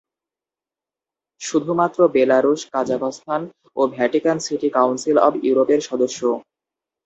শুধুমাত্র Belarus, Kazakhstan ও Vatican City council of ইউরোপের সদস্য।